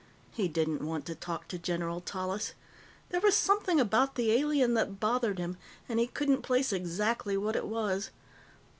He didn't want to talk to General Tallis. There was something about the alien that bothered him, and he couldn't place exactly what it was.